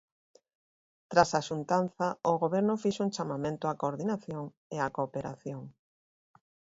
Tras a xuntanza o Goberno fixo un chamamento á coordinación e á cooperación.